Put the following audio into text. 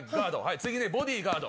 次でボディ、ガード。